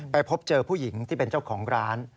พบเจอผู้หญิงที่เป็นเจ้าของร้าน